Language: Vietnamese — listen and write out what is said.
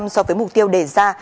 so với mục tiêu đề ra